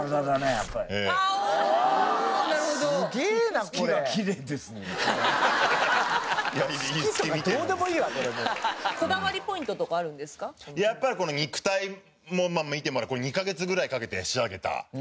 やっぱりこの肉体もまあ見てこれ２カ月ぐらいかけて仕上げた体。